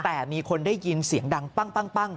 แต่มีคนได้ยินเสียงดังปั้ง